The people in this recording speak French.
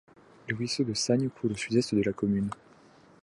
Le ruisseau de Sagne coule au sud-est de la commune.